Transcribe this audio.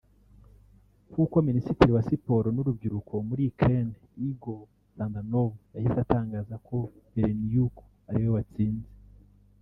kuko Minisitiri wa Siporo n’Urubyiruko muri Ukraine Igor Zhdanov yahise atangaza ko Beleniuk ari we watsinze